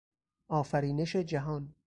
آفرینش جهان